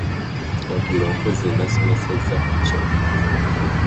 Eggulo mpozzi nasomesezza ku ki?